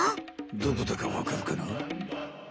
どこだかわかるかな？